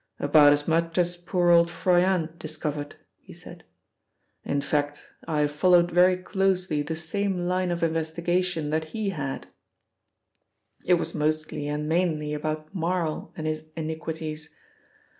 "About as much as poor old Froyant discovered," he said. "In fact, I followed very closely the same line of investigation that he had. It was mostly and mainly about Marl and his iniquities.